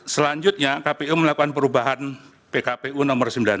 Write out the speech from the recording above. selanjutnya kpu melakukan perubahan pkpu nomor sembilan belas